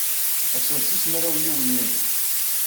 Attan d tis mraw yiwen yagi.